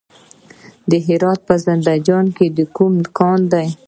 د هرات په زنده جان کې کوم کان دی؟